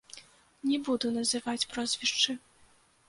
Не буду называць прозвішчы.